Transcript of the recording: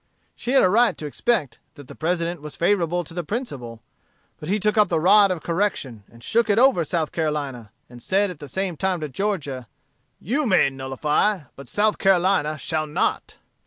She had a right to expect that the President was favorable to the principle: but he took up the rod of correction, and shook it over South Carolina, and said at the same time to Georgia, 'You may nullify, but South Carolina shall not.'